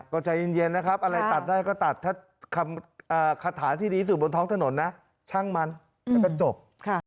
ก็ใจเย็นนะครับอะไรตัดได้ก็ตัดถ้าคาถาที่ดีที่สุดบนท้องถนนนะช่างมันแล้วก็จบ